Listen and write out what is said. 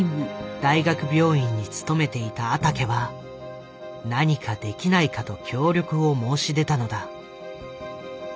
大学病院に勤めていた阿竹は何かできないかと協力を申し出たのだ。